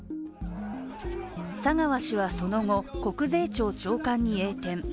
佐川氏はその後、国税庁長官に栄転。